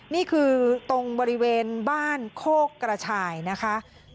นี่คือตรงบริเวณบ้านโคกกระชายนะคะ